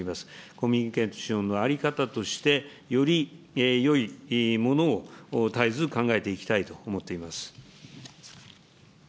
コミュニケーションの在り方として、よりよいものを絶えず考えていきたいと思っています。